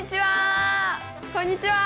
こんにちは！